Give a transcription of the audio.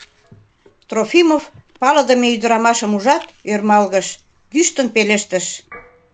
Трофимов палыдыме ӱдырамашым ужат, ӧрмалгыш, йӱштын пелештыш: